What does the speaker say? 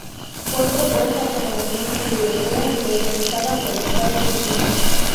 Fue propuesta por la Unión Europea y organizada por Estados Unidos.